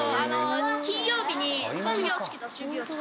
金曜日に卒業式と終業式やって。